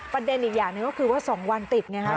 ประเด็นอีกอย่างหนึ่งก็คือว่า๒วันติดไงครับ